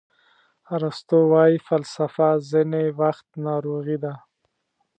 ارسطو وایي فلسفه ځینې وخت ناروغي ده.